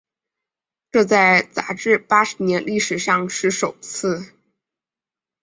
这在杂志八十年历史上是首次。